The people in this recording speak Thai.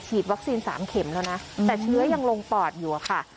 วัคซีน๓เข็มแล้วนะแต่เชื้อยังลงปอดอยู่อะค่ะ